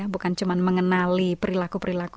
bukan cuma mengenali perilaku perilaku